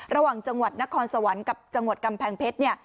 ระหว่างจังหวัดนครสวรรค์กับจังหวัดกำแพงเพชรเนี่ย